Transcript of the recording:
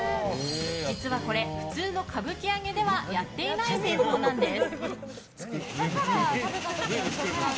実はこれ、普通の歌舞伎揚ではやってない製法なんです。